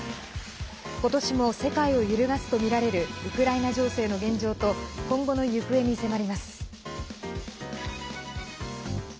今年も世界を揺るがすとみられるウクライナ情勢の現状と今後の行方に迫ります。